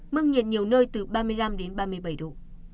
mức nhiệt nhiều nơi từ ba mươi năm đến ba mươi bảy độ